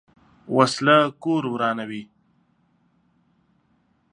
وسله کور ورانوي